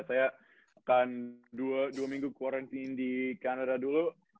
saya akan dua minggu quarantine di kanada dulu